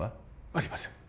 ありません